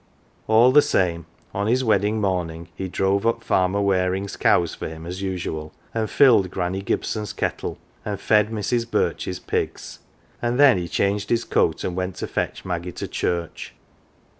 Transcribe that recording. All the same, on his wedding morning he drove up Farmer Waring's cows for him as usual, and filled Granny Gibson's kettle, and fed Mrs. Birch's pigs ; and 202 LITTLE PAUPERS then he changed his coat and went to fetch Maggie to church.